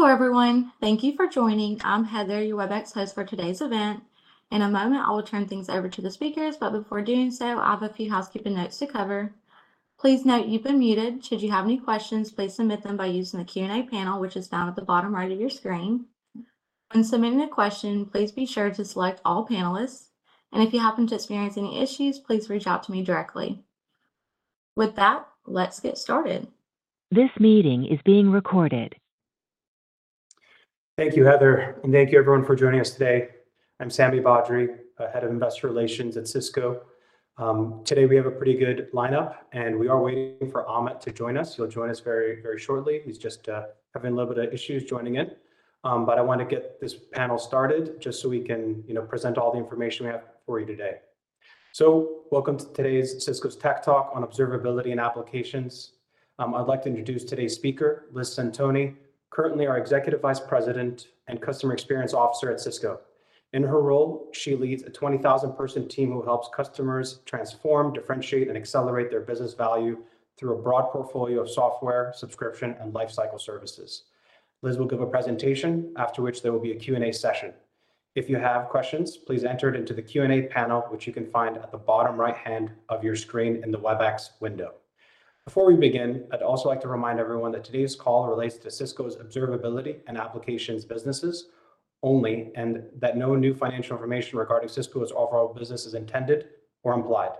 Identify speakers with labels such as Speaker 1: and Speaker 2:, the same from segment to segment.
Speaker 1: Hello everyone, thank you for joining. I'm Heather, your Webex host for today's event. In a moment I will turn things over to the speakers, but before doing so I have a few housekeeping notes to cover. Please note you've been muted; should you have any questions, please submit them by using the Q&A panel which is found at the bottom right of your screen. When submitting a question, please be sure to select All Panelists, and if you happen to experience any issues, please reach out to me directly. With that, let's get started. This meeting is being recorded.
Speaker 2: Thank you, Heather, and thank you everyone for joining us today. I'm Sami Badri, Head of Investor Relations at Cisco. Today we have a pretty good lineup, and we are waiting for Amit to join us. He'll join us very, very shortly. He's just having a little bit of issues joining in, but I wanted to get this panel started just so we can present all the information we have for you today. So welcome to today's Cisco's Tech Talk on Observability and Applications. I'd like to introduce today's speaker, Liz Centoni, currently our Executive Vice President and Customer Experience Officer at Cisco. In her role, she leads a 20,000-person team who helps customers transform, differentiate, and accelerate their business value through a broad portfolio of software, subscription, and lifecycle services. Liz will give a presentation after which there will be a Q&A session. If you have questions, please enter it into the Q&A panel which you can find at the bottom right hand of your screen in the Webex window. Before we begin, I'd also like to remind everyone that today's call relates to Cisco's observability and applications businesses only, and that no new financial information regarding Cisco's overall business is intended or implied.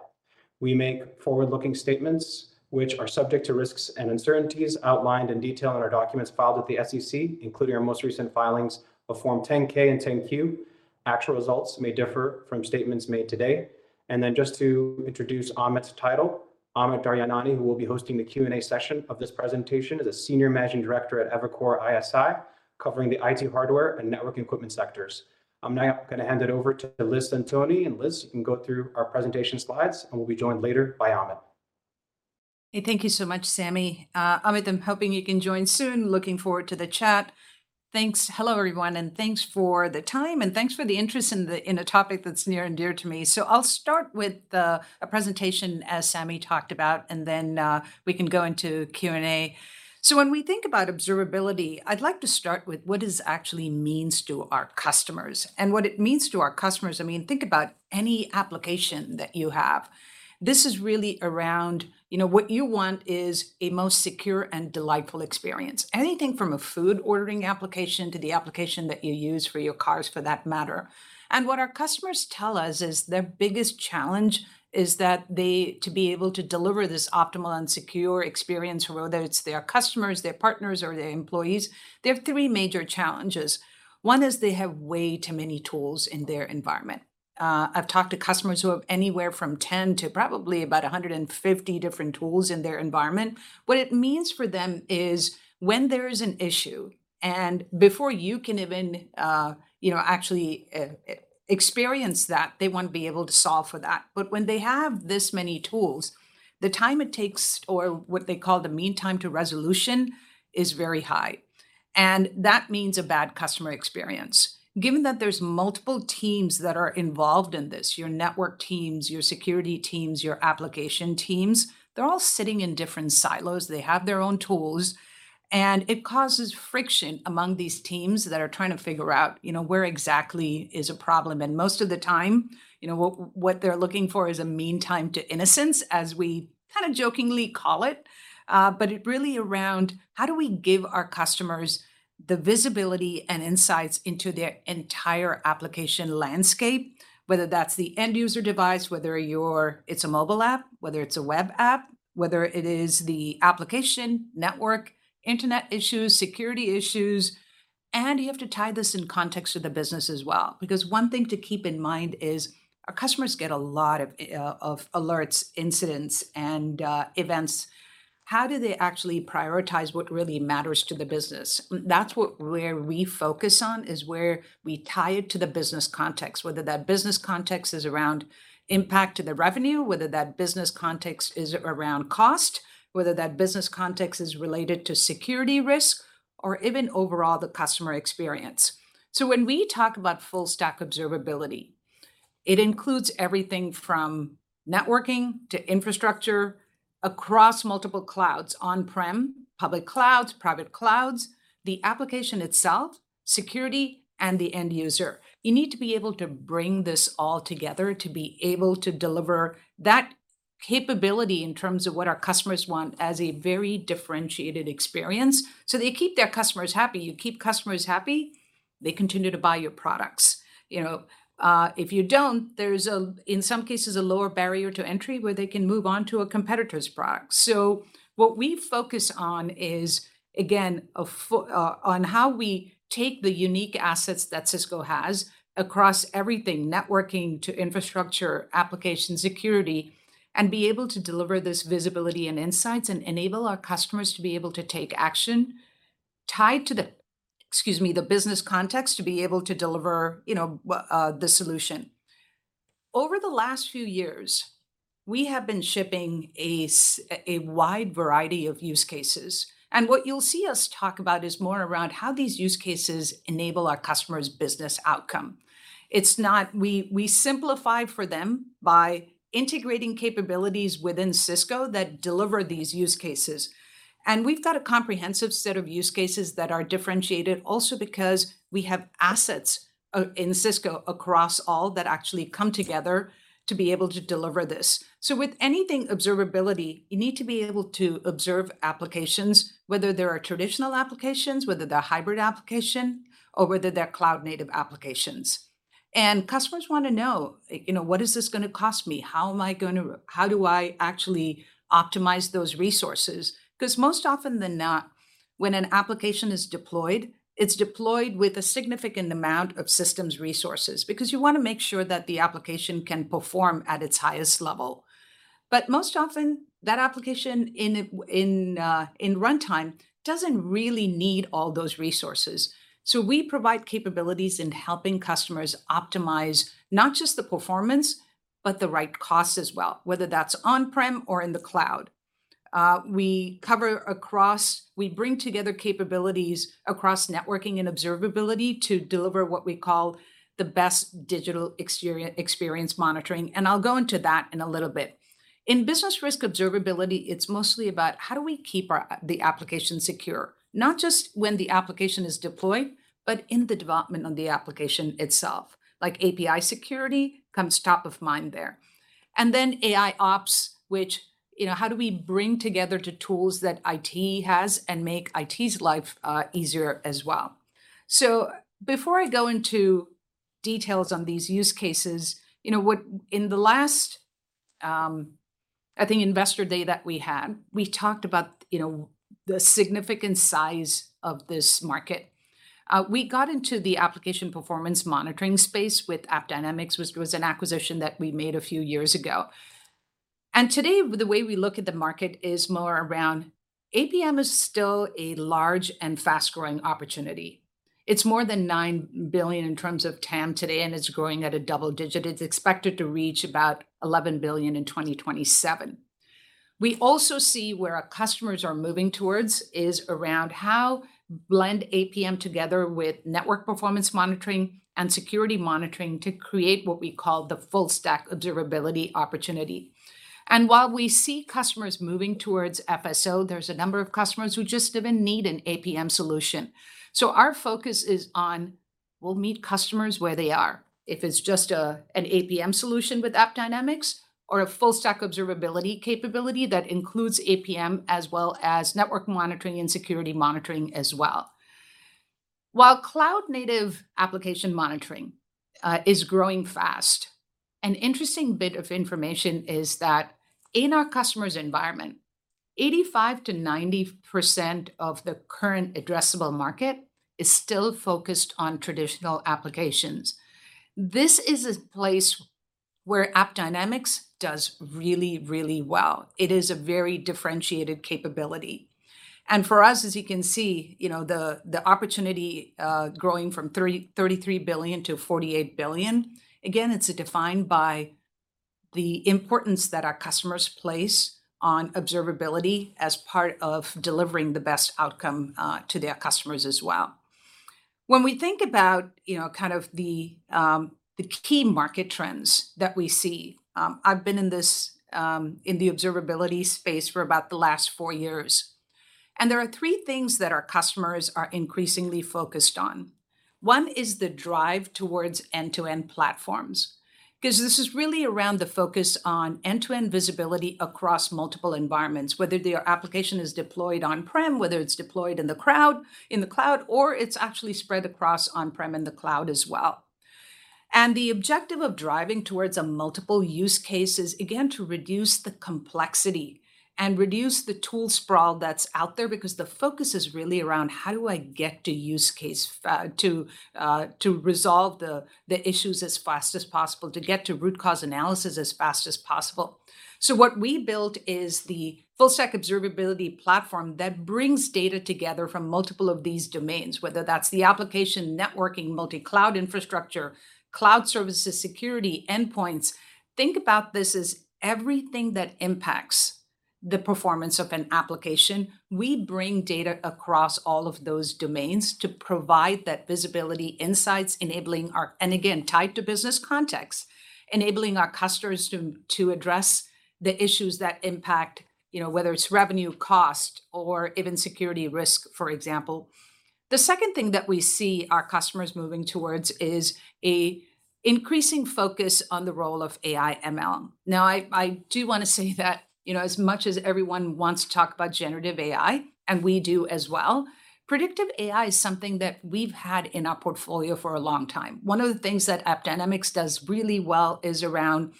Speaker 2: We make forward-looking statements which are subject to risks and uncertainties outlined in detail in our documents filed at the SEC, including our most recent filings of Form 10-K and 10-Q. Actual results may differ from statements made today. And then just to introduce Amit's title, Amit Daryanani, who will be hosting the Q&A session of this presentation, is a Senior Managing Director at Evercore ISI covering the IT hardware and network equipment sectors. I'm now going to hand it over to Liz Centoni, and Liz, you can go through our presentation slides, and we'll be joined later by Amit.
Speaker 3: Thank you so much, Sami. Amit, I'm hoping you can join soon. Looking forward to the chat. Thanks. Hello everyone, and thanks for the time, and thanks for the interest in a topic that's near and dear to me. I'll start with a presentation as Sami talked about, and then we can go into Q&A. When we think about observability, I'd like to start with what this actually means to our customers. What it means to our customers, I mean, think about any application that you have. This is really around what you want is a most secure and delightful experience. Anything from a food ordering application to the application that you use for your cars, for that matter. And what our customers tell us is their biggest challenge is that they need to be able to deliver this optimal and secure experience, whether it's their customers, their partners, or their employees. They have three major challenges. One is they have way too many tools in their environment. I've talked to customers who have anywhere from 10 to probably about 150 different tools in their environment. What it means for them is when there is an issue, and before you can even actually experience that, they want to be able to solve for that. But when they have this many tools, the time it takes, or what they call the Mean Time to Resolution, is very high. And that means a bad customer experience. Given that there's multiple teams that are involved in this, your network teams, your security teams, your application teams, they're all sitting in different silos. They have their own tools, and it causes friction among these teams that are trying to figure out where exactly is a problem. Most of the time, what they're looking for is a Mean Time to Innocence, as we kind of jokingly call it, but it's really around how do we give our customers the visibility and insights into their entire application landscape, whether that's the end-user device, whether it's a mobile app, whether it's a web app, whether it is the application, network, internet issues, security issues. You have to tie this in context to the business as well, because one thing to keep in mind is our customers get a lot of alerts, incidents, and events. How do they actually prioritize what really matters to the business? That's where we focus on, is where we tie it to the business context, whether that business context is around impact to the revenue, whether that business context is around cost, whether that business context is related to security risk, or even overall the customer experience. So when we talk about full-stack observability, it includes everything from networking to infrastructure across multiple clouds, on-prem, public clouds, private clouds, the application itself, security, and the end user. You need to be able to bring this all together to be able to deliver that capability in terms of what our customers want as a very differentiated experience so they keep their customers happy. You keep customers happy, they continue to buy your products. If you don't, there's in some cases a lower barrier to entry where they can move on to a competitor's product. What we focus on is, again, on how we take the unique assets that Cisco has across everything, networking to infrastructure, application, security, and be able to deliver this visibility and insights and enable our customers to be able to take action tied to the business context to be able to deliver the solution. Over the last few years, we have been shipping a wide variety of use cases. What you'll see us talk about is more around how these use cases enable our customers' business outcome. We simplify for them by integrating capabilities within Cisco that deliver these use cases. We've got a comprehensive set of use cases that are differentiated also because we have assets in Cisco across all that actually come together to be able to deliver this. So with anything observability, you need to be able to observe applications, whether they're traditional applications, whether they're hybrid applications, or whether they're cloud-native applications. And customers want to know, what is this going to cost me? How do I actually optimize those resources? Because more often than not, when an application is deployed, it's deployed with a significant amount of system resources because you want to make sure that the application can perform at its highest level. But most often, that application in runtime doesn't really need all those resources. So we provide capabilities in helping customers optimize not just the performance, but the right cost as well, whether that's on-prem or in the cloud. We bring together capabilities across networking and observability to deliver what we call the best digital experience monitoring. I'll go into that in a little bit. In Business Risk Observability, it's mostly about how do we keep the application secure, not just when the application is deployed, but in the development of the application itself. Like API Security comes top of mind there. And then AIOps, which how do we bring together to tools that IT has and make IT's life easier as well. So before I go into details on these use cases, in the last, I think, Investor Day that we had, we talked about the significant size of this market. We got into the application performance monitoring space with AppDynamics. It was an acquisition that we made a few years ago. And today, the way we look at the market is more around APM is still a large and fast-growing opportunity. It's more than $9 billion in terms of TAM today, and it's growing at a double-digit. It's expected to reach about $11 billion in 2027. We also see where customers are moving towards is around how to blend APM together with network performance monitoring and security monitoring to create what we call the full-stack observability opportunity. And while we see customers moving towards FSO, there's a number of customers who just even need an APM solution. So our focus is on, we'll meet customers where they are, if it's just an APM solution with AppDynamics or a full-stack observability capability that includes APM as well as network monitoring and security monitoring as well. While cloud-native application monitoring is growing fast, an interesting bit of information is that in our customers' environment, 85%-90% of the current addressable market is still focused on traditional applications. This is a place where AppDynamics does really, really well. It is a very differentiated capability. For us, as you can see, the opportunity growing from $33 billion-$48 billion, again, it's defined by the importance that our customers place on observability as part of delivering the best outcome to their customers as well. When we think about kind of the key market trends that we see, I've been in the observability space for about the last four years. There are three things that our customers are increasingly focused on. One is the drive towards end-to-end platforms because this is really around the focus on end-to-end visibility across multiple environments, whether the application is deployed on-prem, whether it's deployed in the cloud, or it's actually spread across on-prem and the cloud as well. The objective of driving towards multiple use cases is, again, to reduce the complexity and reduce the tool sprawl that's out there because the focus is really around how do I get to use case to resolve the issues as fast as possible, to get to Root Cause Analysis as fast as possible. What we built is the Full-Stack Observability platform that brings data together from multiple of these domains, whether that's the application, networking, multi-cloud infrastructure, cloud services, security, endpoints. Think about this as everything that impacts the performance of an application. We bring data across all of those domains to provide that visibility, insights, enabling our, and again, tied to business context, enabling our customers to address the issues that impact, whether it's revenue, cost, or even security risk, for example. The second thing that we see our customers moving towards is an increasing focus on the role of AI/ML. Now, I do want to say that as much as everyone wants to talk about generative AI, and we do as well, predictive AI is something that we've had in our portfolio for a long time. One of the things that AppDynamics does really well is around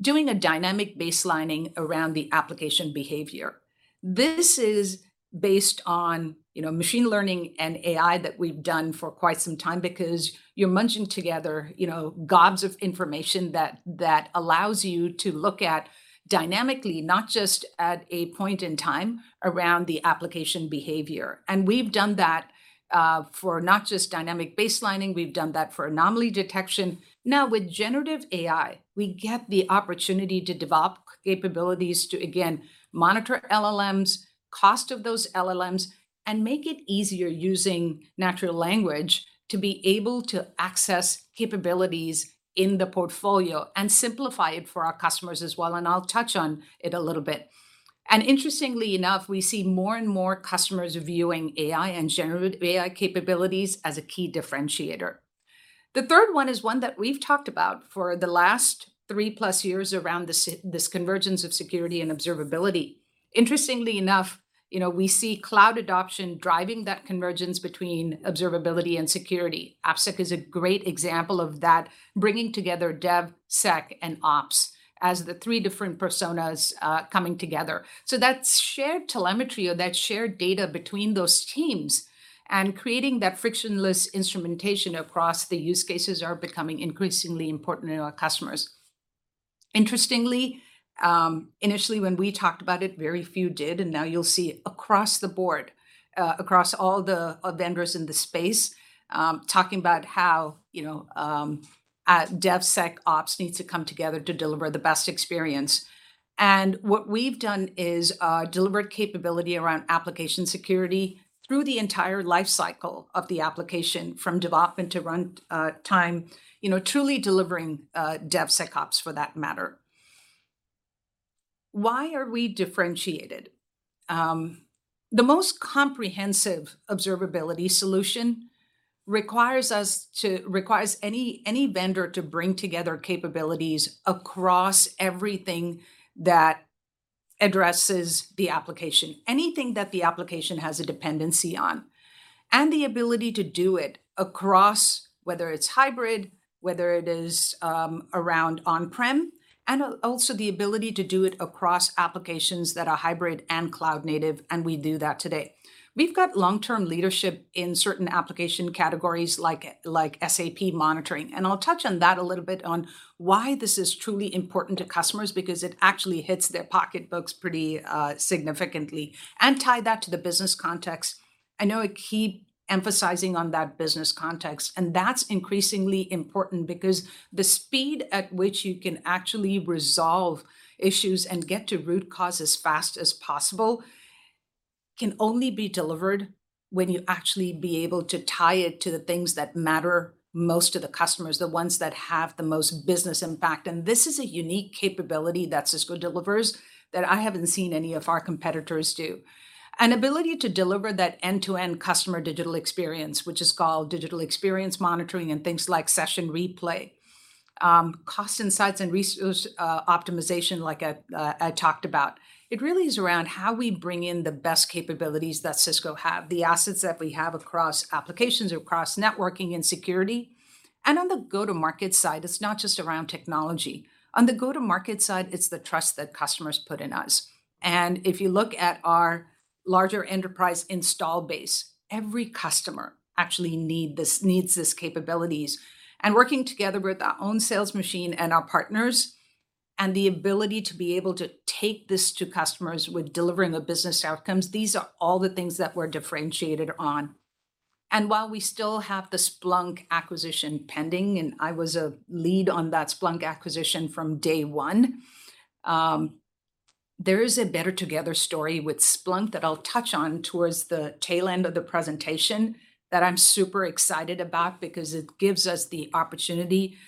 Speaker 3: doing a dynamic baselining around the application behavior. This is based on machine learning and AI that we've done for quite some time because you're munching together gobs of information that allows you to look at dynamically, not just at a point in time around the application behavior. And we've done that for not just dynamic baselining. We've done that for anomaly detection. Now, with generative AI, we get the opportunity to develop capabilities to, again, monitor LLMs, cost of those LLMs, and make it easier using natural language to be able to access capabilities in the portfolio and simplify it for our customers as well. I'll touch on it a little bit. Interestingly enough, we see more and more customers viewing AI and generative AI capabilities as a key differentiator. The third one is one that we've talked about for the last three plus years around this convergence of security and observability. Interestingly enough, we see cloud adoption driving that convergence between observability and security. AppSec is a great example of that, bringing together dev, sec, and ops as the three different personas coming together. So that shared telemetry or that shared data between those teams and creating that frictionless instrumentation across the use cases are becoming increasingly important to our customers. Interestingly, initially when we talked about it, very few did. And now you'll see across the board, across all the vendors in the space, talking about how DevSecOps need to come together to deliver the best experience. And what we've done is delivered capability around application security through the entire lifecycle of the application, from development to runtime, truly delivering DevSecOps for that matter. Why are we differentiated? The most comprehensive observability solution requires us to require any vendor to bring together capabilities across everything that addresses the application, anything that the application has a dependency on, and the ability to do it across, whether it's hybrid, whether it is around on-prem, and also the ability to do it across applications that are hybrid and cloud-native. We do that today. We've got long-term leadership in certain application categories like SAP monitoring. I'll touch on that a little bit on why this is truly important to customers because it actually hits their pocketbooks pretty significantly. And tie that to the business context. I know I keep emphasizing on that business context. And that's increasingly important because the speed at which you can actually resolve issues and get to root causes fast as possible can only be delivered when you actually be able to tie it to the things that matter most to the customers, the ones that have the most business impact. And this is a unique capability that Cisco delivers that I haven't seen any of our competitors do, an ability to deliver that end-to-end customer digital experience, which is called digital experience monitoring and things like session replay, cost insights, and resource optimization like I talked about. It really is around how we bring in the best capabilities that Cisco have, the assets that we have across applications, across networking, and security. And on the go-to-market side, it's not just around technology. On the go-to-market side, it's the trust that customers put in us. If you look at our larger enterprise install base, every customer actually needs these capabilities. Working together with our own sales machine and our partners and the ability to be able to take this to customers with delivering the business outcomes, these are all the things that we're differentiated on. While we still have the Splunk acquisition pending, and I was a lead on that Splunk acquisition from day one, there is a Better Together story with Splunk that I'll touch on towards the tail end of the presentation that I'm super excited about because it gives us the opportunity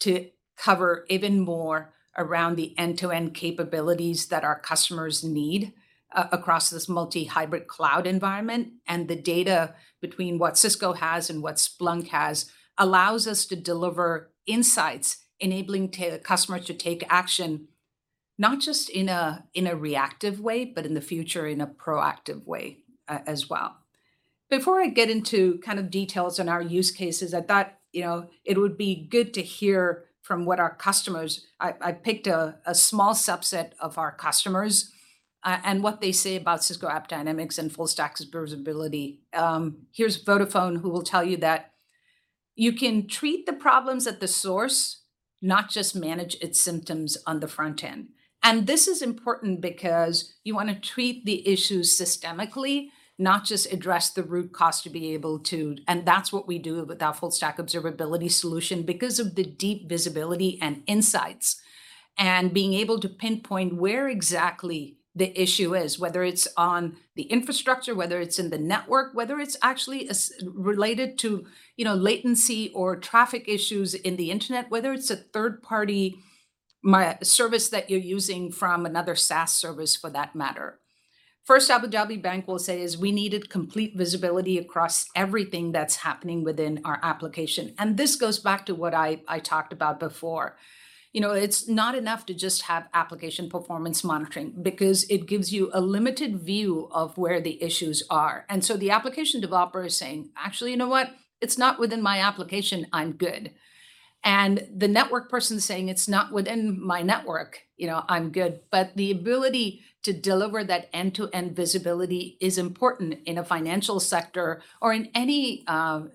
Speaker 3: to cover even more around the end-to-end capabilities that our customers need across this multi-hybrid cloud environment. The data between what Cisco has and what Splunk has allows us to deliver insights, enabling customers to take action not just in a reactive way, but in the future in a proactive way as well. Before I get into kind of details on our use cases, I thought it would be good to hear from what our customers say. I picked a small subset of our customers and what they say about Cisco AppDynamics and full-stack observability. Here's Vodafone, who will tell you that you can treat the problems at the source, not just manage its symptoms on the front end. This is important because you want to treat the issues systemically, not just address the root cause to be able to, and that's what we do with our Full-Stack Observability solution because of the deep visibility and insights and being able to pinpoint where exactly the issue is, whether it's on the infrastructure, whether it's in the network, whether it's actually related to latency or traffic issues in the internet, whether it's a third-party service that you're using from another SaaS service for that matter. First Abu Dhabi Bank will say is we needed complete visibility across everything that's happening within our application. This goes back to what I talked about before. It's not enough to just have Application Performance Monitoring because it gives you a limited view of where the issues are. So the application developer is saying, "Actually, you know what? It's not within my application. I'm good." And the network person is saying, "It's not within my network. I'm good." But the ability to deliver that end-to-end visibility is important in a financial sector or in any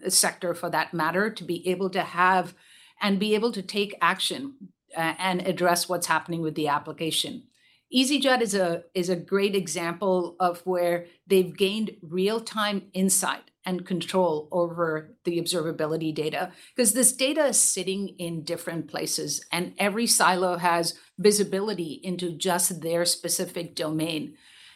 Speaker 3: sector for that matter, to be able to have and be able to take action and address what's happening with the application. EasyJet is a great example of where they've gained real-time insight and control over the observability data because this data is sitting in different places, and every silo has visibility into just their specific domain.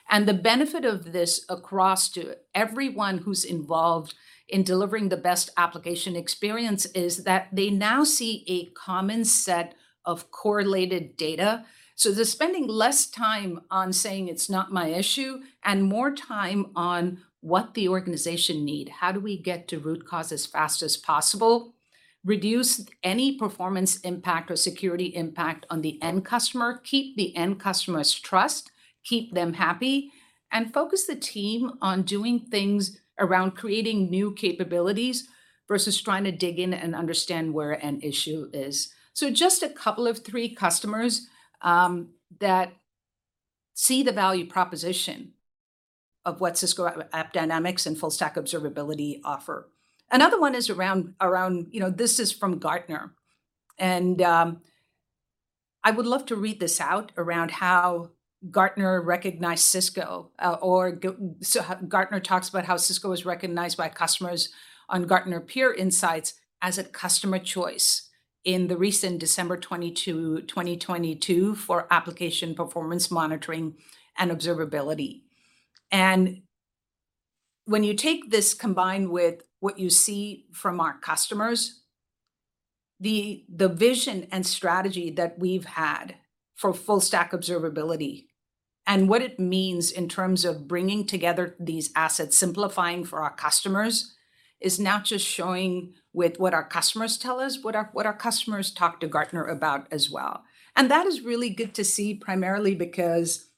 Speaker 3: And the benefit of this across to everyone who's involved in delivering the best application experience is that they now see a common set of correlated data. So they're spending less time on saying, "It's not my issue," and more time on what the organization needs. How do we get to root causes fast as possible, reduce any performance impact or security impact on the end customer, keep the end customer's trust, keep them happy, and focus the team on doing things around creating new capabilities versus trying to dig in and understand where an issue is? So just a couple of three customers that see the value proposition of what Cisco AppDynamics and full-stack observability offer. Another one is around. This is from Gartner. And I would love to read this out around how Gartner recognized Cisco. Or so, Gartner talks about how Cisco was recognized by customers on Gartner Peer Insights as a customer choice in the recent December 22, 2022, for application performance monitoring and observability. When you take this combined with what you see from our customers, the vision and strategy that we've had for Full-Stack Observability and what it means in terms of bringing together these assets, simplifying for our customers, is not just showing with what our customers tell us, what our customers talk to Gartner about as well. That is really good to see primarily because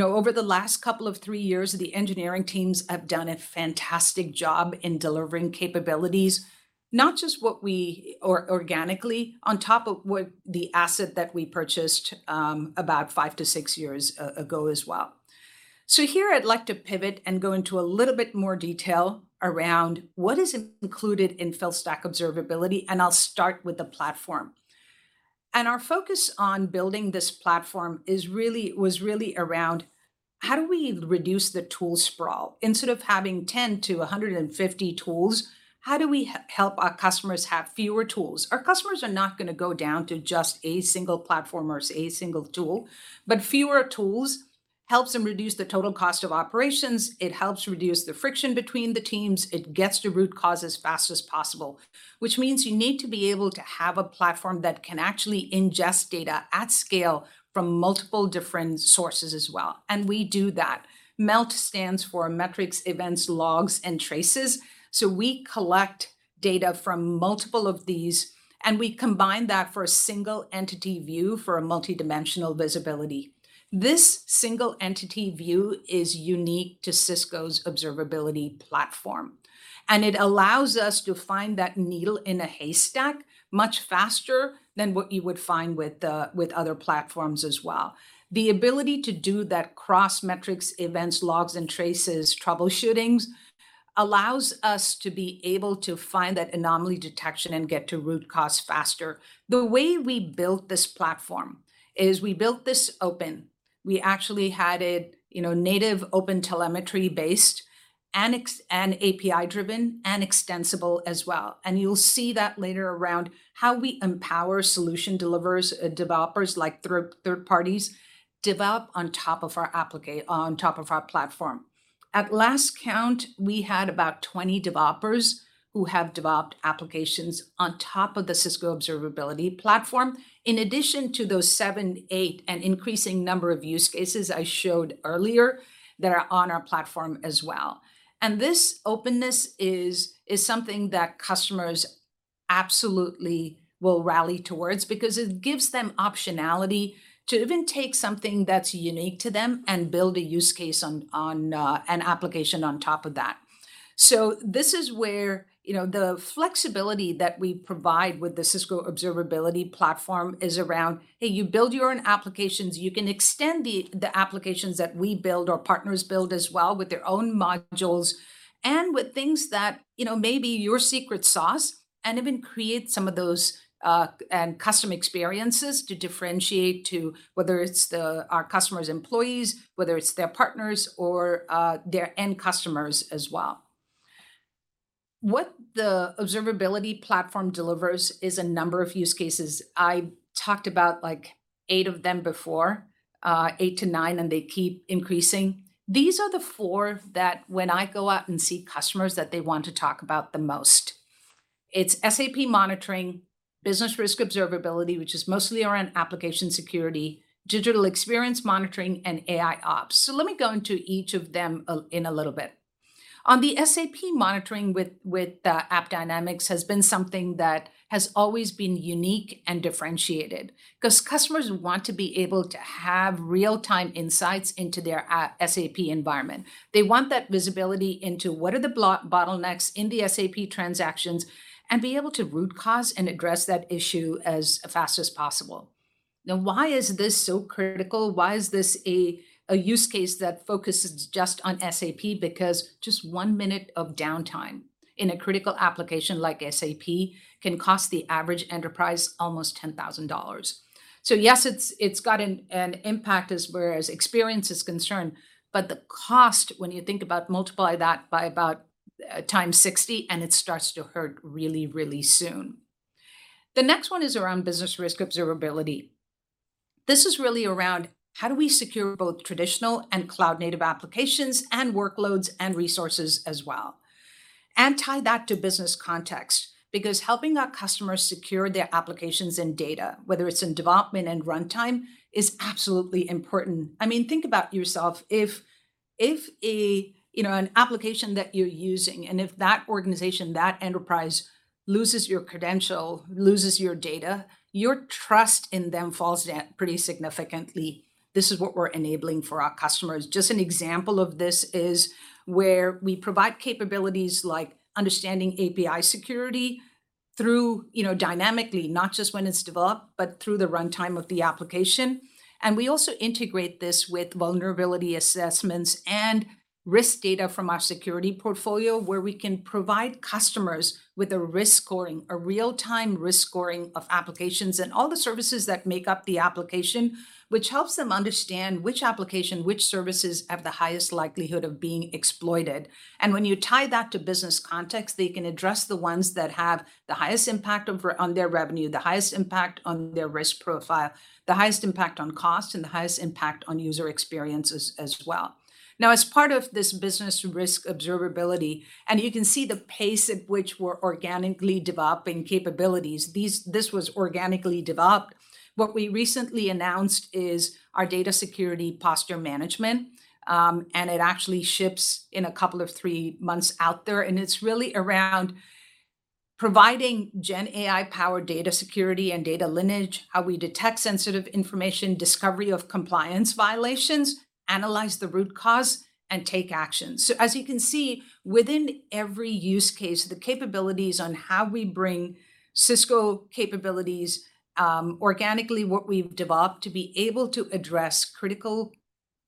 Speaker 3: over the last couple of three years, the engineering teams have done a fantastic job in delivering capabilities, not just what we organically, on top of the asset that we purchased about 5-6 years ago as well. Here I'd like to pivot and go into a little bit more detail around what is included in Full-Stack Observability. I'll start with the platform. Our focus on building this platform was really around how do we reduce the tool sprawl? Instead of having 10-150 tools, how do we help our customers have fewer tools? Our customers are not going to go down to just a single platform or a single tool, but fewer tools helps them reduce the total cost of operations. It helps reduce the friction between the teams. It gets to root causes fast as possible, which means you need to be able to have a platform that can actually ingest data at scale from multiple different sources as well. And we do that. MELT stands for Metrics, Events, Logs, and Traces. So we collect data from multiple of these, and we combine that for a single entity view for a multi-dimensional visibility. This single entity view is unique to Cisco's observability platform, and it allows us to find that needle in a haystack much faster than what you would find with other platforms as well. The ability to do that cross-metrics, events, logs, and traces troubleshooting allows us to be able to find that anomaly detection and get to root cause faster. The way we built this platform is we built this open. We actually had it native OpenTelemetry-based and API-driven and extensible as well. You'll see that later around how we empower solution developers like third parties develop on top of our platform. At last count, we had about 20 developers who have developed applications on top of the Cisco observability platform, in addition to those 7, 8, and increasing number of use cases I showed earlier that are on our platform as well. This openness is something that customers absolutely will rally towards because it gives them optionality to even take something that's unique to them and build a use case on an application on top of that. So this is where the flexibility that we provide with the Cisco observability platform is around, hey, you build your own applications. You can extend the applications that we build or partners build as well with their own modules and with things that may be your secret sauce and even create some of those custom experiences to differentiate to whether it's our customers' employees, whether it's their partners or their end customers as well. What the observability platform delivers is a number of use cases. I talked about eight of them before, eight to nine, and they keep increasing. These are the four that when I go out and see customers that they want to talk about the most. It's SAP monitoring, Business Risk Observability, which is mostly around application security, Digital Experience Monitoring, and AIOps. So let me go into each of them in a little bit. On the SAP monitoring with AppDynamics has been something that has always been unique and differentiated because customers want to be able to have real-time insights into their SAP environment. They want that visibility into what are the bottlenecks in the SAP transactions and be able to root cause and address that issue as fast as possible. Now, why is this so critical? Why is this a use case that focuses just on SAP? Because just one minute of downtime in a critical application like SAP can cost the average enterprise almost $10,000. So yes, it's got an impact as far as experience is concerned, but the cost, when you think about multiply that by about times 60, and it starts to hurt really, really soon. The next one is around Business Risk Observability. This is really around how do we secure both traditional and cloud-native applications and workloads and resources as well? And tie that to business context because helping our customers secure their applications and data, whether it's in development and runtime, is absolutely important. I mean, think about yourself. If an application that you're using and if that organization, that enterprise loses your credential, loses your data, your trust in them falls down pretty significantly. This is what we're enabling for our customers. Just an example of this is where we provide capabilities like understanding API security dynamically, not just when it's developed, but through the runtime of the application. And we also integrate this with vulnerability assessments and risk data from our security portfolio, where we can provide customers with a risk scoring, a real-time risk scoring of applications and all the services that make up the application, which helps them understand which application, which services have the highest likelihood of being exploited. And when you tie that to business context, they can address the ones that have the highest impact on their revenue, the highest impact on their risk profile, the highest impact on cost, and the highest impact on user experiences as well. Now, as part of this Business Risk Observability, and you can see the pace at which we're organically developing capabilities, this was organically developed. What we recently announced is our Data Security Posture Management, and it actually ships in a couple of three months out there. It's really around providing Gen AI-powered data security and data lineage, how we detect sensitive information, discovery of compliance violations, analyze the root cause, and take action. As you can see, within every use case, the capabilities on how we bring Cisco capabilities organically, what we've developed to be able to address critical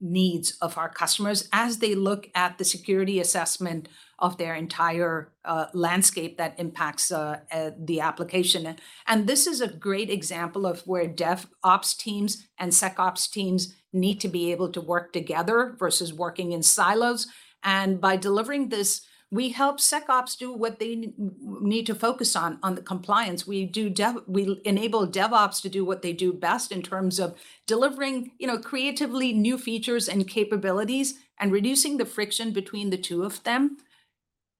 Speaker 3: needs of our customers as they look at the security assessment of their entire landscape that impacts the application. This is a great example of where DevOps teams and SecOps teams need to be able to work together versus working in silos. By delivering this, we help SecOps do what they need to focus on, on the compliance. We enable DevOps to do what they do best in terms of delivering creatively new features and capabilities, and reducing the friction between the two of them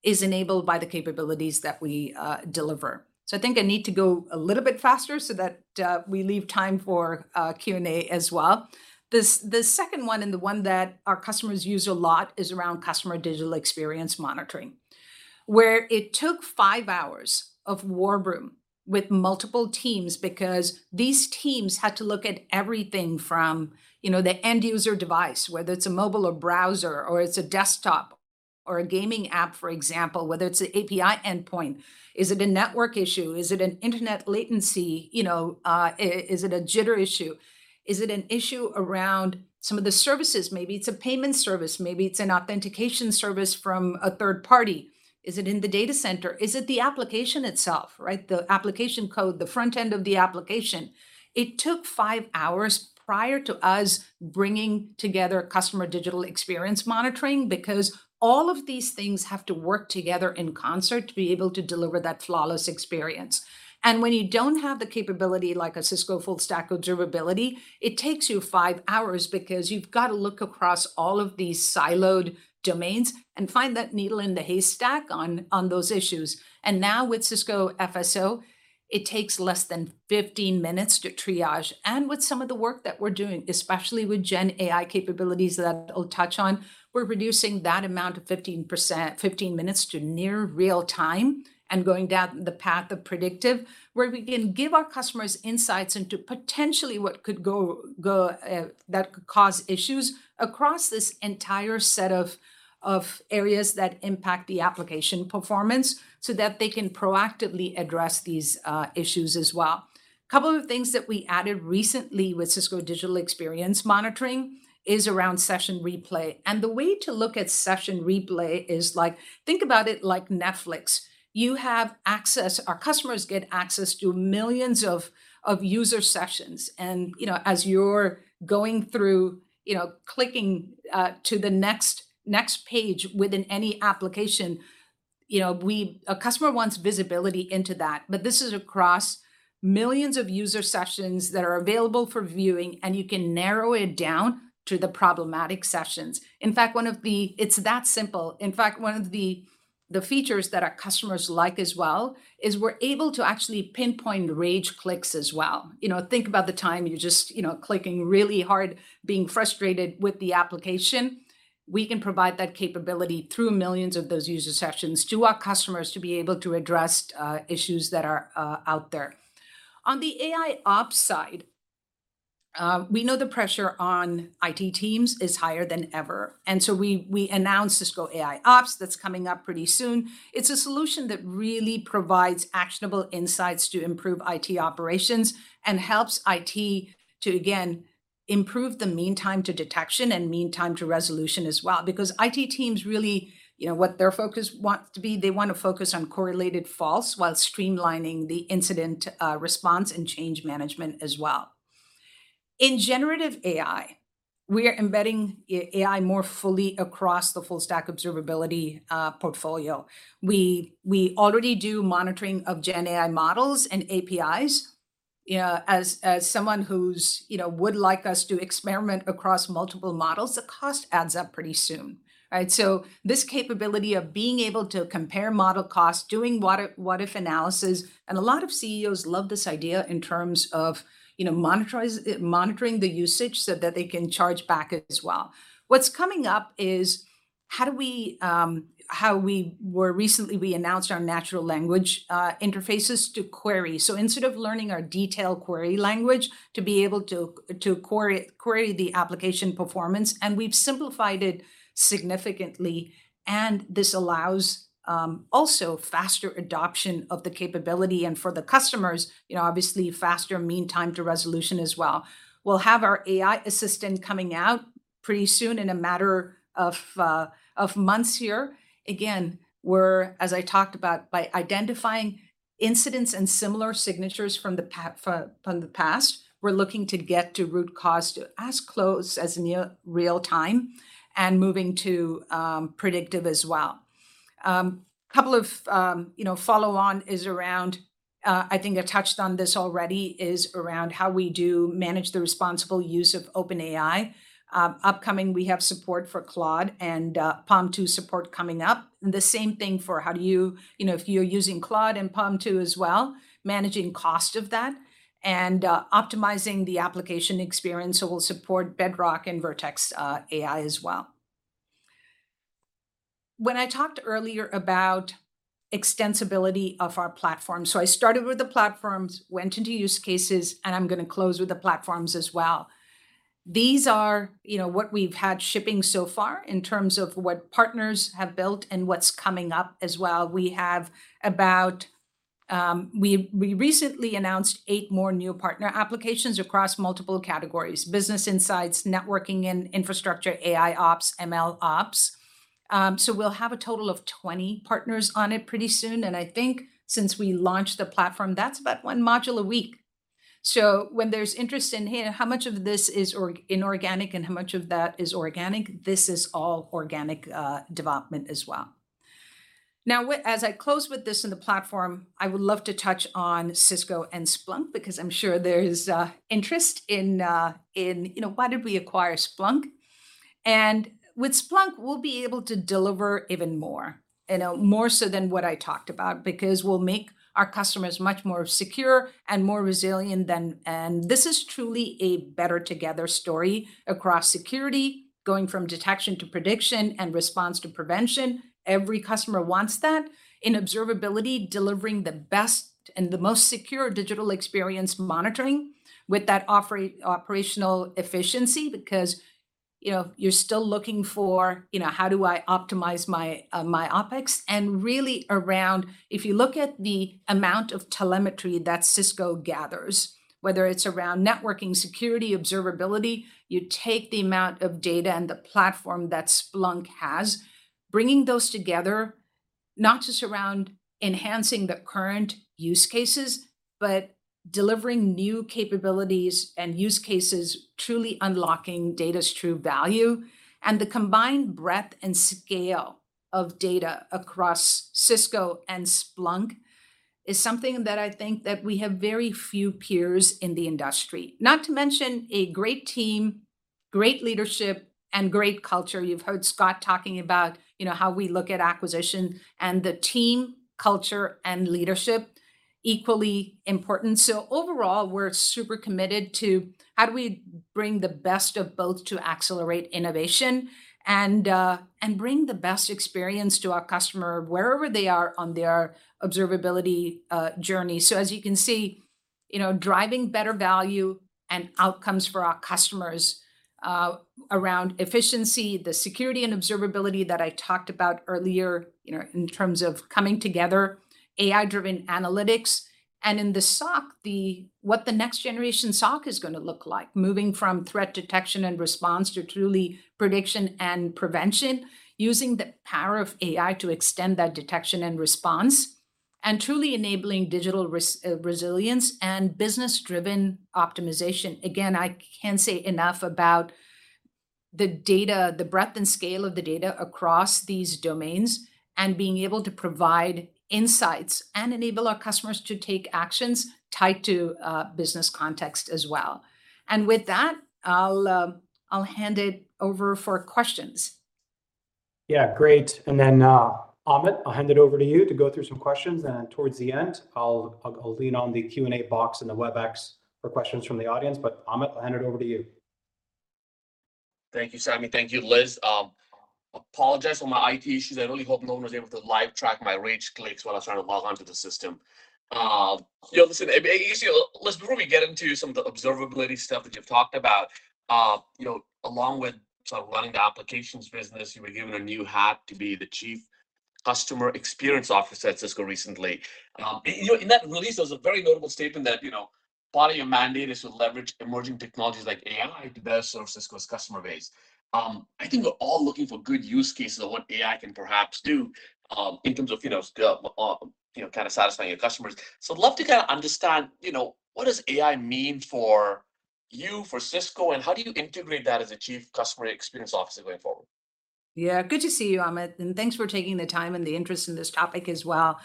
Speaker 3: is enabled by the capabilities that we deliver. So I think I need to go a little bit faster so that we leave time for Q&A as well. The second one and the one that our customers use a lot is around customer digital experience monitoring, where it took five hours of war room with multiple teams because these teams had to look at everything from the end user device, whether it's a mobile or browser or it's a desktop or a gaming app, for example, whether it's an API endpoint. Is it a network issue? Is it an internet latency? Is it a jitter issue? Is it an issue around some of the services? Maybe it's a payment service. Maybe it's an authentication service from a third party. Is it in the data center? Is it the application itself, right? The application code, the front end of the application. It took 5 hours prior to us bringing together customer digital experience monitoring because all of these things have to work together in concert to be able to deliver that flawless experience. And when you don't have the capability like a Cisco Full-Stack Observability, it takes you 5 hours because you've got to look across all of these siloed domains and find that needle in the haystack on those issues. And now with Cisco FSO, it takes less than 15 minutes to triage. With some of the work that we're doing, especially with Gen AI capabilities that I'll touch on, we're reducing that amount of 15 minutes to near real-time and going down the path of predictive where we can give our customers insights into potentially what could cause issues across this entire set of areas that impact the application performance so that they can proactively address these issues as well. A couple of things that we added recently with Cisco Digital Experience Monitoring is around Session Replay. The way to look at Session Replay is like, think about it like Netflix. You have access. Our customers get access to millions of user sessions. As you're going through, clicking to the next page within any application, a customer wants visibility into that. But this is across millions of user sessions that are available for viewing, and you can narrow it down to the problematic sessions. In fact, one of the... it's that simple. In fact, one of the features that our customers like as well is we're able to actually pinpoint rage clicks as well. Think about the time you're just clicking really hard, being frustrated with the application. We can provide that capability through millions of those user sessions to our customers to be able to address issues that are out there. On the AIOps side, we know the pressure on IT teams is higher than ever. And so we announced Cisco AIOps. That's coming up pretty soon. It's a solution that really provides actionable insights to improve IT operations and helps IT to, again, improve the Mean Time to Detection and Mean Time to Resolution as well. Because IT teams really, what their focus wants to be, they want to focus on correlated faults while streamlining the incident response and change management as well. In Generative AI, we are embedding AI more fully across the Full-Stack Observability portfolio. We already do monitoring of Gen AI models and APIs. As someone who would like us to experiment across multiple models, the cost adds up pretty soon, right? So this capability of being able to compare model costs, doing what-if analysis, and a lot of CEOs love this idea in terms of monitoring the usage so that they can charge back as well. What's coming up is how, we recently announced our natural language interfaces to query. So instead of learning our detailed query language to be able to query the application performance, we've simplified it significantly. This allows also faster adoption of the capability. For the customers, obviously, faster meantime to resolution as well. We'll have our AI assistant coming out pretty soon in a matter of months here. Again, as I talked about, by identifying incidents and similar signatures from the past, we're looking to get to root cause as close as real-time and moving to predictive as well. A couple of follow-on is around... I think I touched on this already, is around how we do manage the responsible use of OpenAI. Upcoming, we have support for Claude and PaLM 2 support coming up. And the same thing for how do you... if you're using Claude and PaLM 2 as well, managing cost of that and optimizing the application experience. So we'll support Bedrock and Vertex AI as well. When I talked earlier about extensibility of our platform, so I started with the platforms, went into use cases, and I'm going to close with the platforms as well. These are what we've had shipping so far in terms of what partners have built and what's coming up as well. We have about... we recently announced 8 more new partner applications across multiple categories: business insights, networking and infrastructure, AIOps, MLOps. So we'll have a total of 20 partners on it pretty soon. I think since we launched the platform, that's about 1 module a week. So when there's interest in, hey, how much of this is inorganic and how much of that is organic, this is all organic development as well. Now, as I close with this in the platform, I would love to touch on Cisco and Splunk because I'm sure there's interest in... Why did we acquire Splunk? And with Splunk, we'll be able to deliver even more, more so than what I talked about, because we'll make our customers much more secure and more resilient than. And this is truly a better together story across security, going from detection to prediction and response to prevention. Every customer wants that in observability, delivering the best and the most secure digital experience monitoring with that operational efficiency because you're still looking for, how do I optimize my OpEx? And really around, if you look at the amount of telemetry that Cisco gathers, whether it's around networking, security, observability, you take the amount of data and the platform that Splunk has, bringing those together, not just around enhancing the current use cases, but delivering new capabilities and use cases, truly unlocking data's true value. The combined breadth and scale of data across Cisco and Splunk is something that I think that we have very few peers in the industry, not to mention a great team, great leadership, and great culture. You've heard Scott talking about how we look at acquisition and the team culture and leadership, equally important. Overall, we're super committed to how do we bring the best of both to accelerate innovation and bring the best experience to our customer wherever they are on their observability journey. So as you can see, driving better value and outcomes for our customers around efficiency, the security and observability that I talked about earlier in terms of coming together, AI-driven analytics, and in the SOC, what the next generation SOC is going to look like, moving from threat detection and response to truly prediction and prevention, using the power of AI to extend that detection and response, and truly enabling digital resilience and business-driven optimization. Again, I can't say enough about the data, the breadth and scale of the data across these domains and being able to provide insights and enable our customers to take actions tied to business context as well. And with that, I'll hand it over for questions.
Speaker 2: Yeah, great. And then Amit, I'll hand it over to you to go through some questions. Then towards the end, I'll lean on the Q&A box and the Webex for questions from the audience. But Amit, I'll hand it over to you.
Speaker 1: Thank you, Sami. Thank you, Liz. Apologize for my IT issues. I really hope no one was able to live track my rage clicks while I was trying to log onto the system. Listen, Liz, before we get into some of the observability stuff that you've talked about, along with running the applications business, you were given a new hat to be the Chief Customer Experience Officer at Cisco recently. In that release, there was a very notable statement that part of your mandate is to leverage emerging technologies like AI to better serve Cisco's customer base. I think we're all looking for good use cases of what AI can perhaps do in terms of kind of satisfying your customers.
Speaker 4: So I'd love to kind of understand what does AI mean for you, for Cisco, and how do you integrate that as a Chief Customer Experience Officer going forward?
Speaker 3: Yeah, good to see you, Amit. And thanks for taking the time and the interest in this topic as well.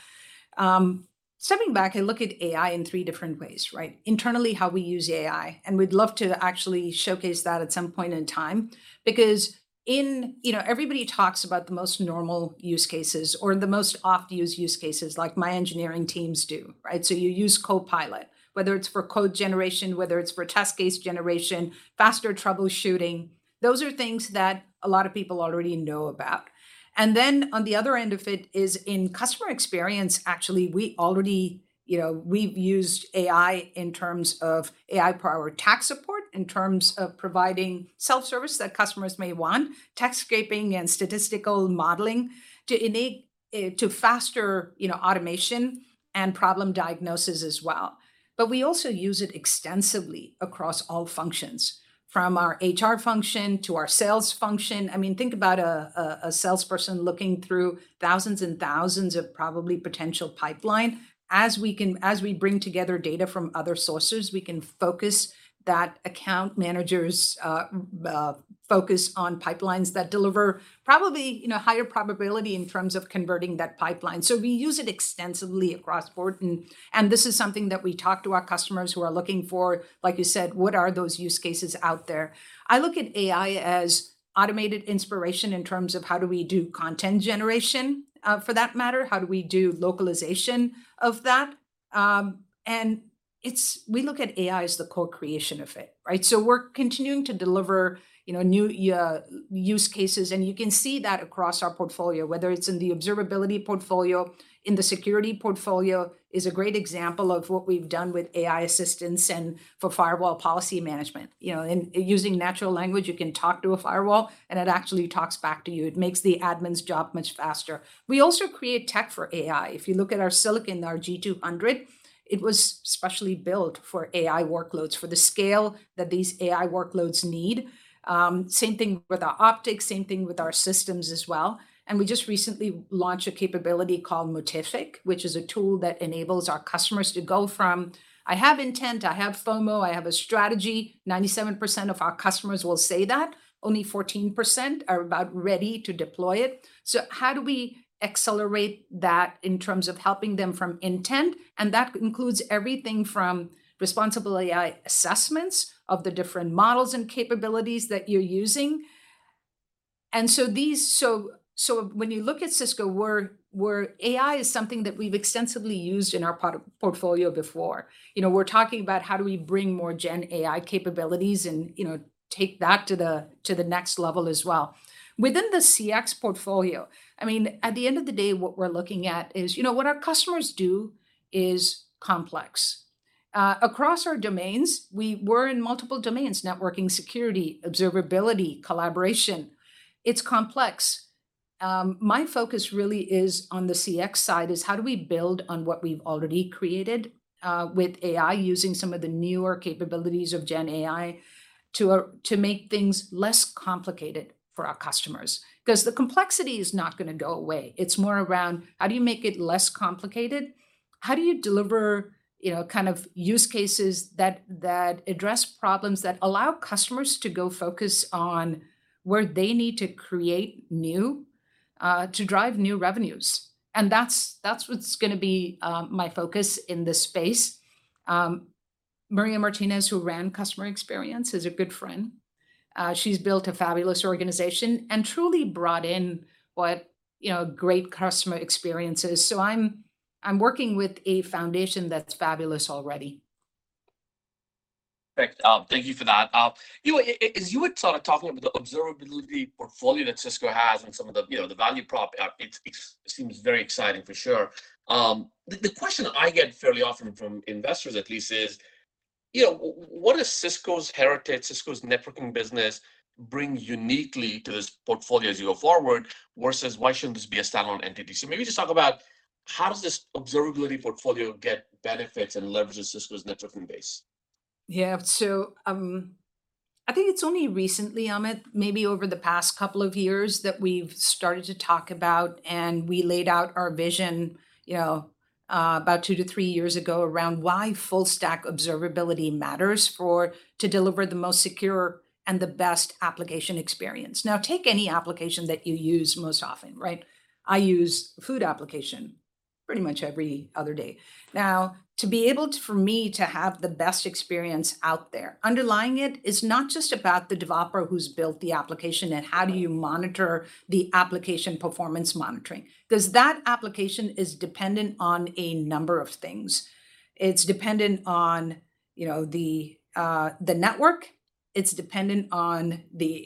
Speaker 3: Stepping back, I look at AI in three different ways, right? Internally, how we use AI. And we'd love to actually showcase that at some point in time because everybody talks about the most normal use cases or the most oft-used use cases like my engineering teams do, right? So you use Copilot, whether it's for code generation, whether it's for test case generation, faster troubleshooting. Those are things that a lot of people already know about. And then on the other end of it is in customer experience, actually, we already... We've used AI in terms of AI-powered tech support, in terms of providing self-service that customers may want, text scraping and statistical modeling to enable faster automation and problem diagnosis as well. But we also use it extensively across all functions, from our HR function to our sales function. I mean, think about a salesperson looking through thousands and thousands of probably potential pipeline. As we bring together data from other sources, we can focus that account manager's focus on pipelines that deliver probably higher probability in terms of converting that pipeline. So we use it extensively across the board. And this is something that we talk to our customers who are looking for, like you said, what are those use cases out there? I look at AI as automated inspiration in terms of how do we do content generation, for that matter? How do we do localization of that? We look at AI as the co-creation of it, right? We're continuing to deliver new use cases. You can see that across our portfolio, whether it's in the observability portfolio, in the security portfolio, is a great example of what we've done with AI assistants and for firewall policy management. In using natural language, you can talk to a firewall, and it actually talks back to you. It makes the admin's job much faster. We also create tech for AI. If you look at our silicon, our G200, it was specially built for AI workloads, for the scale that these AI workloads need. Same thing with our optics, same thing with our systems as well. And we just recently launched a capability called Motific, which is a tool that enables our customers to go from, "I have intent, I have FOMO, I have a strategy." 97% of our customers will say that. Only 14% are about ready to deploy it. So how do we accelerate that in terms of helping them from intent? And that includes everything from responsible AI assessments of the different models and capabilities that you're using. And so when you look at Cisco, where AI is something that we've extensively used in our portfolio before, we're talking about how do we bring more Gen AI capabilities and take that to the next level as well. Within the CX portfolio, I mean, at the end of the day, what we're looking at is what our customers do is complex. Across our domains, we were in multiple domains: networking, security, observability, collaboration. It's complex. My focus really is on the CX side: how do we build on what we've already created with AI, using some of the newer capabilities of Gen AI to make things less complicated for our customers? Because the complexity is not going to go away. It's more around how do you make it less complicated? How do you deliver kind of use cases that address problems that allow customers to go focus on where they need to create new, to drive new revenues? And that's what's going to be my focus in this space. Maria Martinez, who ran Customer Experience, is a good friend. She's built a fabulous organization and truly brought in what great customer experience is. So I'm working with a foundation that's fabulous already. Perfect. Thank you for that. As you were sort of talking about the observability portfolio that Cisco has and some of the value prop, it seems very exciting for sure. The question I get fairly often from investors, at least, is what does Cisco's heritage, Cisco's networking business bring uniquely to this portfolio as you go forward versus why shouldn't this be a standalone entity? So maybe just talk about how does this observability portfolio get benefits and leverages Cisco's networking base? Yeah, so I think it's only recently, Amit, maybe over the past couple of years that we've started to talk about and we laid out our vision about 2-3 years ago around why full-stack observability matters to deliver the most secure and the best application experience. Now, take any application that you use most often, right? I use food applications pretty much every other day. Now, to be able to, for me, to have the best experience out there, underlying it is not just about the developer who's built the application and how do you monitor the application performance monitoring? Because that application is dependent on a number of things. It's dependent on the network. It's dependent on the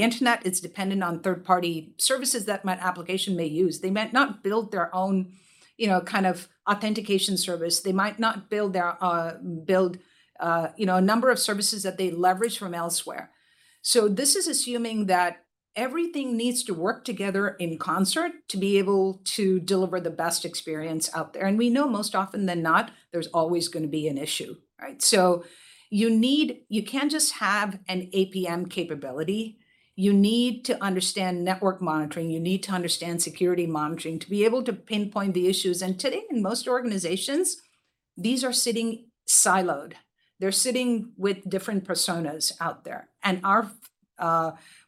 Speaker 3: internet. It's dependent on third-party services that that application may use. They might not build their own kind of authentication service. They might not build a number of services that they leverage from elsewhere. So this is assuming that everything needs to work together in concert to be able to deliver the best experience out there. And we know more often than not, there's always going to be an issue, right? So you can't just have an APM capability. You need to understand network monitoring. You need to understand security monitoring to be able to pinpoint the issues. Today, in most organizations, these are sitting siloed. They're sitting with different personas out there.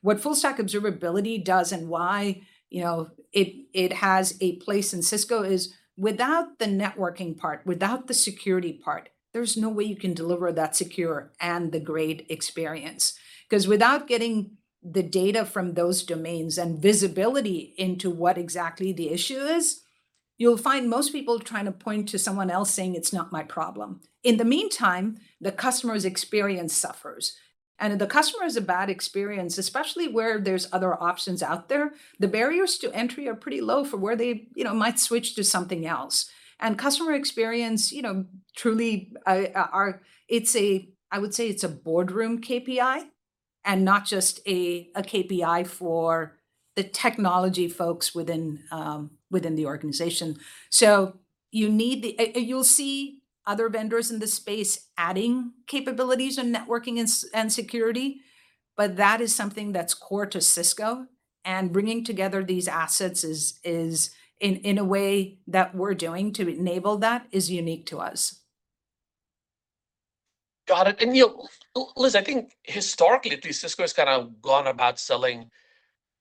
Speaker 3: What full-stack observability does and why it has a place in Cisco is without the networking part, without the security part, there's no way you can deliver that secure and the great experience. Because without getting the data from those domains and visibility into what exactly the issue is, you'll find most people trying to point to someone else saying, "It's not my problem." In the meantime, the customer's experience suffers. If the customer has a bad experience, especially where there's other options out there, the barriers to entry are pretty low for where they might switch to something else. Customer experience, truly, it's a... I would say it's a boardroom KPI and not just a KPI for the technology folks within the organization. So you'll see other vendors in this space adding capabilities on networking and security, but that is something that's core to Cisco. And bringing together these assets is, in a way, that we're doing to enable that is unique to us.
Speaker 4: Got it. And Liz, I think historically, at least, Cisco has kind of gone about selling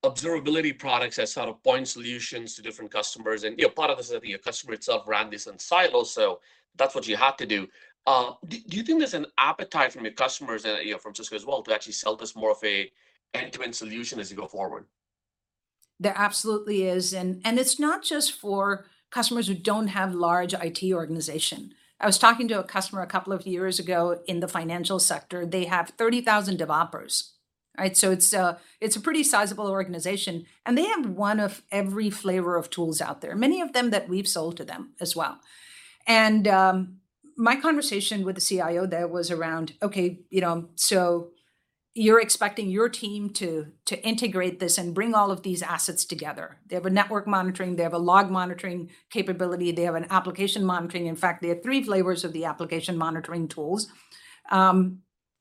Speaker 4: observability products as sort of point solutions to different customers. And part of this is that your customer itself ran this in silo, so that's what you had to do. Do you think there's an appetite from your customers and from Cisco as well to actually sell this more of an end-to-end solution as you go forward? There absolutely is. And it's not just for customers who don't have a large IT organization.
Speaker 3: I was talking to a customer a couple of years ago in the financial sector. They have 30,000 developers, right? So it's a pretty sizable organization. And they have one of every flavor of tools out there, many of them that we've sold to them as well. And my conversation with the CIO there was around, "Okay, so you're expecting your team to integrate this and bring all of these assets together. They have a network monitoring. They have a log monitoring capability. They have an application monitoring. In fact, they have 3 flavors of the application monitoring tools."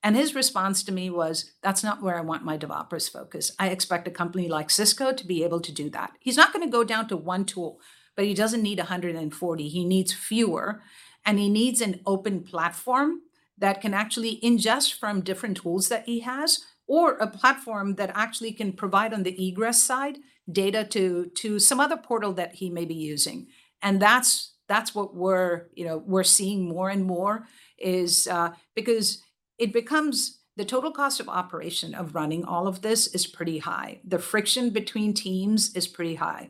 Speaker 3: And his response to me was, "That's not where I want my developers focused. I expect a company like Cisco to be able to do that." He's not going to go down to one tool, but he doesn't need 140. He needs fewer. And he needs an open platform that can actually ingest from different tools that he has or a platform that actually can provide on the egress side data to some other portal that he may be using. And that's what we're seeing more and more, because it becomes the total cost of operation of running all of this is pretty high. The friction between teams is pretty high.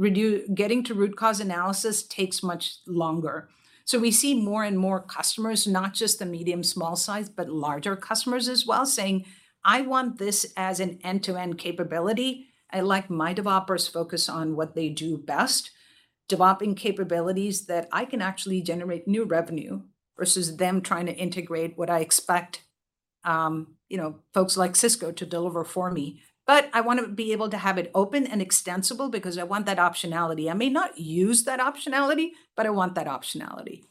Speaker 3: Getting to root cause analysis takes much longer. So we see more and more customers, not just the medium, small size, but larger customers as well, saying, "I want this as an end-to-end capability. I like my developers focus on what they do best, developing capabilities that I can actually generate new revenue versus them trying to integrate what I expect folks like Cisco to deliver for me. But I want to be able to have it open and extensible because I want that optionality. I may not use that optionality, but I want that optionality."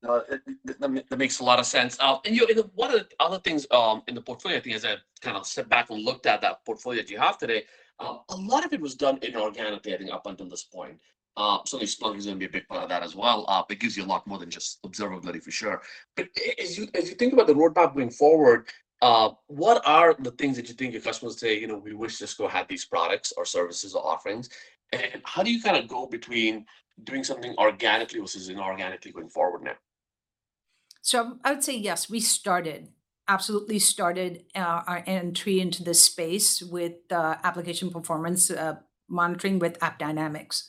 Speaker 5: That makes a lot of sense. And one of the other things in the portfolio, I think, as I kind of stepped back and looked at that portfolio that you have today, a lot of it was done inorganically, I think, up until this point. So Splunk is going to be a big part of that as well. It gives you a lot more than just observability, for sure. But as you think about the roadmap going forward, what are the things that you think your customers say, "We wish Cisco had these products or services or offerings"? And how do you kind of go between doing something organically versus inorganically going forward now?
Speaker 3: So I would say yes, we started, absolutely started our entry into this space with application performance monitoring with AppDynamics.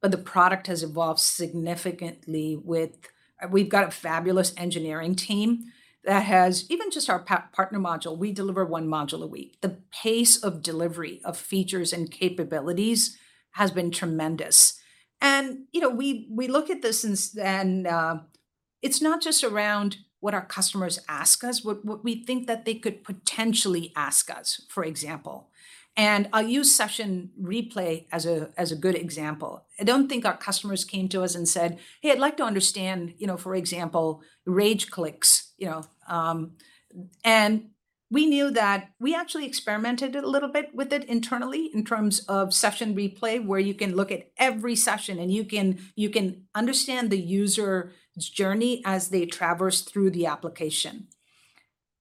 Speaker 3: But the product has evolved significantly with we've got a fabulous engineering team that has even just our partner module. We deliver one module a week. The pace of delivery of features and capabilities has been tremendous. And we look at this and it's not just around what our customers ask us, what we think that they could potentially ask us, for example. And I'll use session replay as a good example. I don't think our customers came to us and said, "Hey, I'd like to understand, for example, rage clicks." And we knew that we actually experimented a little bit with it internally in terms of session replay, where you can look at every session and you can understand the user's journey as they traverse through the application.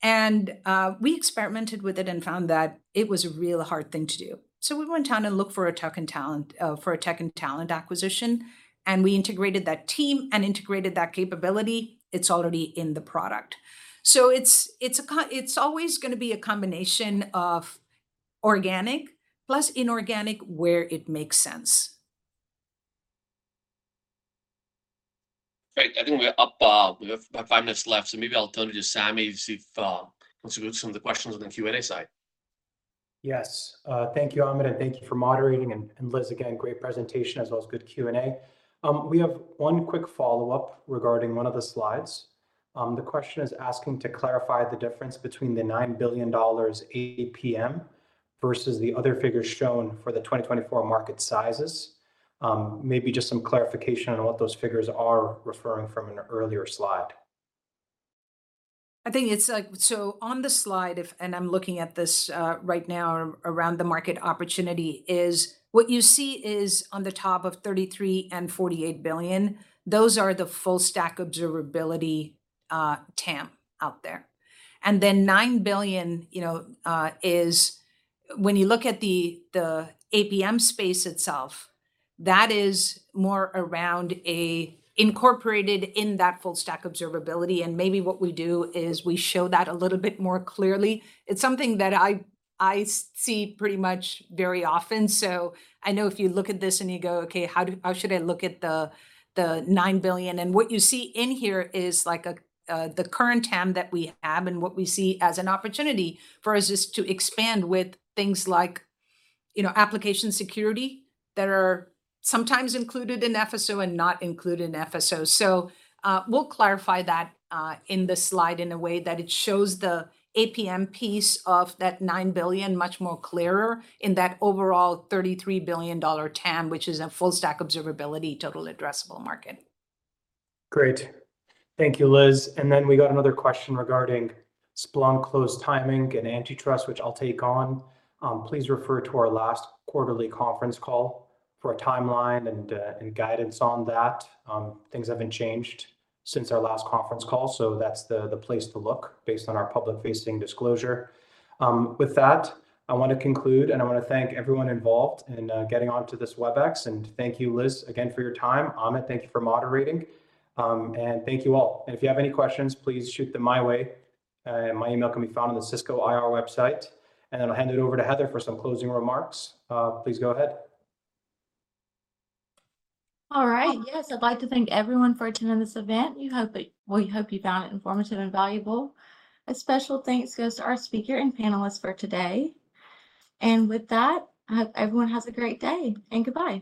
Speaker 3: We experimented with it and found that it was a real hard thing to do. So we went down and looked for a tech and talent for a tech and talent acquisition, and we integrated that team and integrated that capability. It's already in the product. So it's always going to be a combination of organic plus inorganic where it makes sense.
Speaker 4: Great. I think we're up. We have about five minutes left, so maybe I'll turn it to Sami to see if he can answer some of the questions on the Q&A side.
Speaker 2: Yes. Thank you, Amit, and thank you for moderating. And Liz, again, great presentation as well as good Q&A. We have one quick follow-up regarding one of the slides. The question is asking to clarify the difference between the $9 billion APM versus the other figures shown for the 2024 market sizes. Maybe just some clarification on what those figures are referring from an earlier slide.
Speaker 3: I think it's like, so on the slide, and I'm looking at this right now around the market opportunity, what you see is on the top of $33 billion and $48 billion, those are the full-stack observability TAM out there. And then $9 billion is when you look at the APM space itself, that is more around incorporated in that full-stack observability. And maybe what we do is we show that a little bit more clearly. It's something that I see pretty much very often. So I know if you look at this and you go, "Okay, how should I look at the $9 billion?" And what you see in here is like the current TAM that we have and what we see as an opportunity for us is to expand with things like application security that are sometimes included in FSO and not included in FSO. So we'll clarify that in the slide in a way that it shows the APM piece of that $9 billion much more clearer in that overall $33 billion TAM, which is a full-stack observability total addressable market.
Speaker 2: Great. Thank you, Liz. And then we got another question regarding Splunk close timing and antitrust, which I'll take on. Please refer to our last quarterly conference call for a timeline and guidance on that. Things haven't changed since our last conference call, so that's the place to look based on our public-facing disclosure. With that, I want to conclude, and I want to thank everyone involved in getting onto this Webex. Thank you, Liz, again, for your time. Amit, thank you for moderating. Thank you all. If you have any questions, please shoot them my way. My email can be found on the Cisco IR website. Then I'll hand it over to Heather for some closing remarks. Please go ahead.
Speaker 1: All right. Yes, I'd like to thank everyone for attending this event. We hope you found it informative and valuable. A special thanks goes to our speaker and panelists for today. With that, I hope everyone has a great day and goodbye.